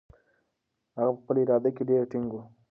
هغه په خپله اراده کې ډېر ټینګ و.